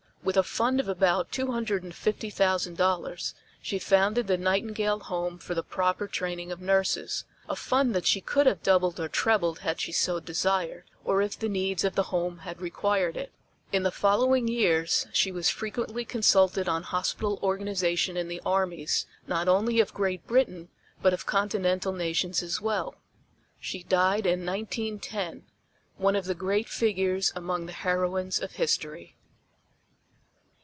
With a fund of about $250,000 she founded the Nightingale Home for the proper training of nurses, a fund that she could have doubled or trebled had she so desired, or if the needs of the home had required it. In the following years she was frequently consulted on hospital organization in the armies not only of Great Britain but of Continental nations as well. She died in 1910, one of the great figures among the heroines of history.